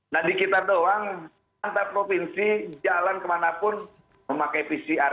nah di kita doang antar provinsi jalan kemanapun memakai pcr